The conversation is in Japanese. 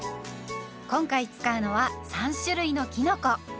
今回使うのは３種類のきのこ。